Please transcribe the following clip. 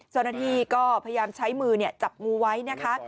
เจ้าหน้าที่ก็พยายามใช้มือจับงูไว้นะคะ